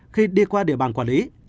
khi đi qua địa bàn quản lý